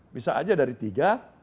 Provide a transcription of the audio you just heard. bisa saja dari tiga